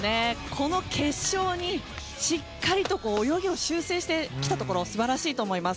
この決勝にしっかりと泳ぎを修正してきたところ素晴らしいと思います。